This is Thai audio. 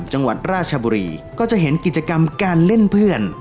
จังหวัดราชบุรีก็จะเห็นกิจกรรมการเล่นเพื่อน